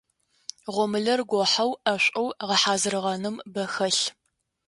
Гъомылэр гохьэу, ӏэшӏоу гъэхьазырыгъэным бэ хэлъ.